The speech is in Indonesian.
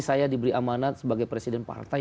saya diberi amanat sebagai presiden partai